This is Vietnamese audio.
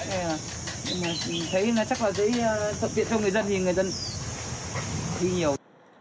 thế là mình thấy là chắc là dễ tội tiện cho người dân thì người dân đi nhiều